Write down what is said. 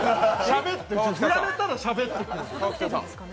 振られたらしゃべって。